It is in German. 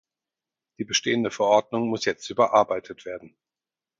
Die bestehende Verordnung muss jetzt überarbeitet werden.